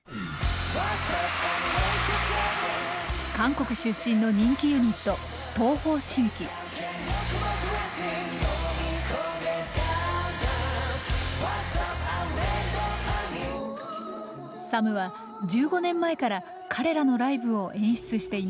韓国出身の人気ユニットＳＡＭは１５年前から彼らのライブを演出しています。